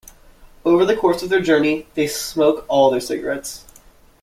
Over the course of their journey, they smoke all their cigarettes.